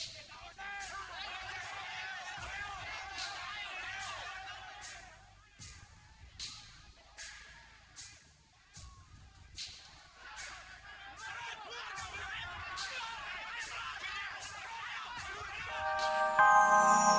kita asli salah